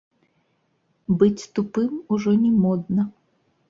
Быць тупым ужо не модна.